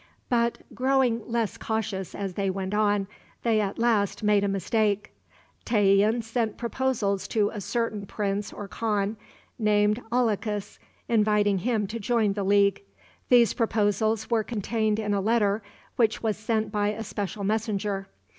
But, growing less cautious as they went on, they at last made a mistake. Tayian sent proposals to a certain prince or khan, named Alakus, inviting him to join the league. These proposals were contained in a letter which was sent by a special messenger.